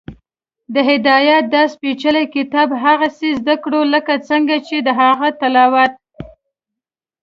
د هدایت دا سپېڅلی کتاب هغسې زده کړو، لکه څنګه چې د هغه تلاوت